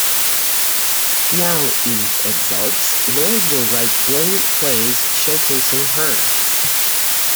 Now, Eve exults, Lloyd will write brilliant plays showcasing her.